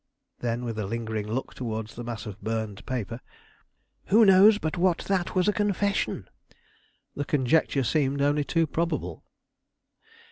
Then, with a lingering look towards the mass of burned paper, "Who knows but what that was a confession?" The conjecture seemed only too probable.